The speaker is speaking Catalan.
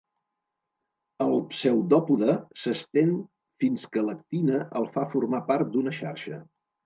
El pseudòpode s'estén fins que l'actina el fa formar part d'una xarxa.